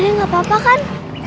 nek ini gak apa apa kan